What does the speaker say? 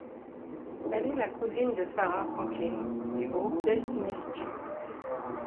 Elle est la cousine de Farrah Franklin du groupe Destiny's Child.